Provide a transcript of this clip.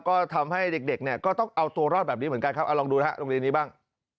ก็ทำให้เด็กเนี่ยก็ต้องเอาตัวรอดแบบนี้เหมือนกันครับเอาลองดูนะฮะโรงเรียนนี้บ้าง